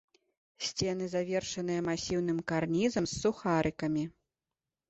Сцены завершаныя масіўным карнізам з сухарыкамі.